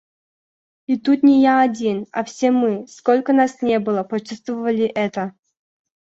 И тут не я один, а все мы, сколько нас ни было, почувствовали это.